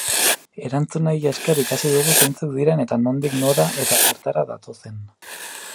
Erantzunei esker ikasi dugu zeintzuk diren eta nondik nora eta zertara datozen.